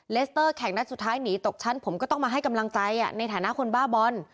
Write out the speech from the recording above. เลสเตอร์แข่งนัดสุดท้ายหนีตกชั้นผมก็ต้องมาให้กำลังใจในฐานะคนบ้าบอล